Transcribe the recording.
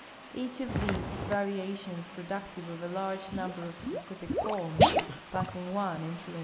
Each of these has variations ])roductive of a large number of specific forms, ))assing one into another.